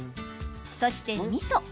そして、みそ。